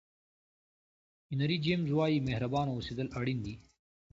هینري جمیز وایي مهربانه اوسېدل اړین دي.